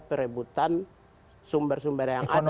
perebutan sumber sumber yang ada